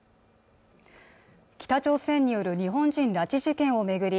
北朝鮮による日本人拉致事件を巡り